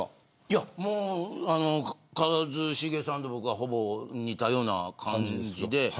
一茂さんとほぼ似たような感じです。